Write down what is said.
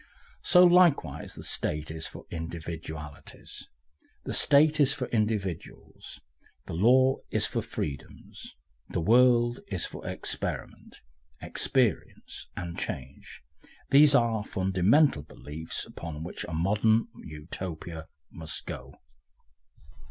So likewise the State is for Individualities. The State is for Individuals, the law is for freedoms, the world is for experiment, experience, and change: these are the fundamental beliefs upon which a modern Utopia must go.